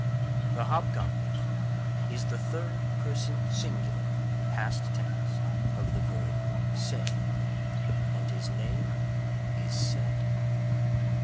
The Hobgoblin is the third person singular, past tense, of the verb "Say," and his name is SAID.